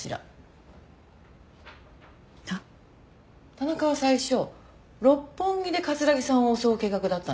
田中は最初六本木で城さんを襲う計画だったんでしょ。